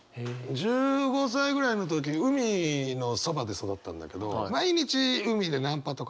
１５歳ぐらいの時海のそばで育ったんだけど毎日海でナンパとかしてて。